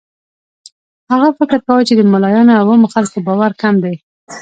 هغه فکر کاوه چې د ملایانو او عامو خلکو باور کم دی.